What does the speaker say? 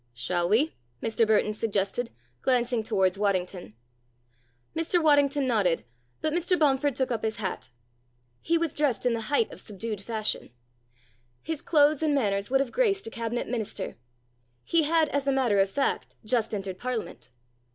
"Shall we ?" Mr. Burton suggested, glancing towards Waddington. Mr. Waddington nodded, but Mr. Bomford took up his hat. He was dressed in the height of subdued fashion. His clothes and manners would have graced a Cabinet Minister. He had, as a matter of fact, just entered Parliament.